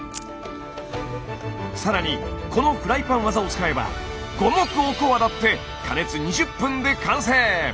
さらにこのフライパンワザを使えば五目おこわだって加熱２０分で完成！